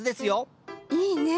いいね。